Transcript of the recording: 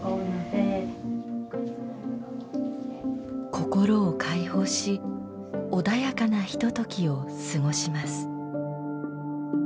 心を解放し穏やかなひとときを過ごします。